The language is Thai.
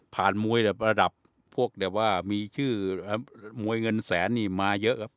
มวยระดับพวกแบบว่ามีชื่อมวยเงินแสนนี่มาเยอะครับ